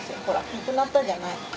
ほらなくなったじゃない。